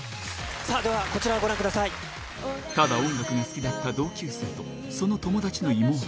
さあではこちらをご覧くださただ音楽が好きだった同級生と、その友達の妹。